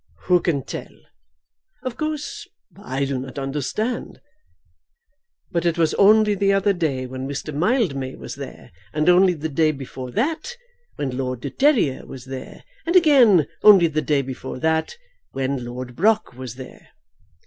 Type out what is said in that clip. "Who can tell? Of course I do not understand, but it was only the other day when Mr. Mildmay was there, and only the day before that when Lord de Terrier was there, and again only the day before that when Lord Brock was there."